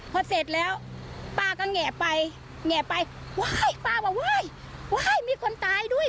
พอเสร็จแล้วป้าก็แงะไปแงะไปไหว้ป้ามาไหว้ว้ายมีคนตายด้วย